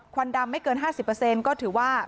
ควันดำไม่เกิน๕๐ก็ถือว่า